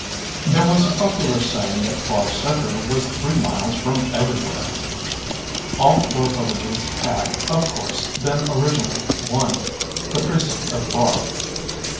There was a popular saying that Barr Center was three miles from everywhere. All four vil lages had, of course, been originally one, the Pre cinct of Barr.